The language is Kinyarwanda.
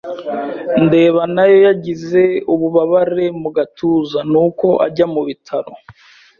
ndeba nayo yagize ububabare mu gatuza, nuko ajya mu bitaro.